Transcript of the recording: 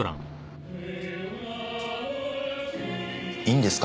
いいんですか？